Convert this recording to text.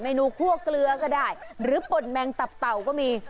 นูคั่วเกลือก็ได้หรือป่นแมงตับเต่าก็มี